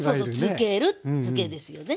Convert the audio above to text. つけるづけですよね。